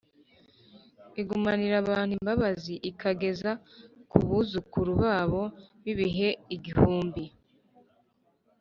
igumanira abantu imbabazi, ikageza ku buzukuruza babo b’ibihe igihumbi,